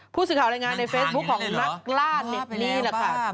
ผู้สื่อข่าวรายงานในเฟซบุ๊คของนักล่าเด็กนี่แหละค่ะ